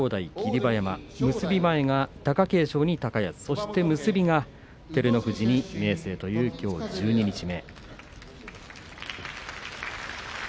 馬山結び前が貴景勝に高安、そして結びが照ノ富士に明生というきょう十二日目。